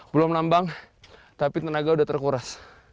belum menambang tapi tenaga udah terkuras